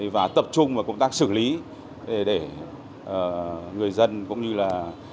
và tập trung vào công tác xử lý để người dân cũng như là